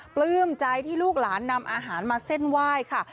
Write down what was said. ปลื้มใจที่ลูกหลานนำอาหารมาเส้นไหว้ค่ะ